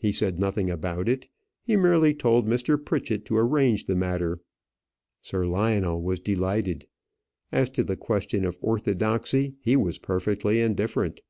He said nothing about it; he merely told Mr. Pritchett to arrange the matter. Sir Lionel was delighted. As to the question of orthodoxy he was perfectly indifferent.